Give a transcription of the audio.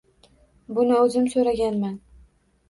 Buni o`zim so`raganman